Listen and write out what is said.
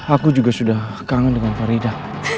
aku juga sudah kangen dengan farida